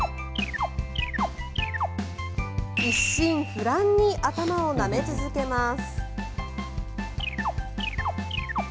一心不乱に頭をなめ続けます。